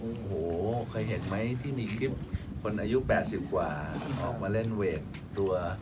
โอ้โหเคยเห็นไหมที่มีคลิปคนอายุ๘๐กว่าออกมาเล่นเวทตัว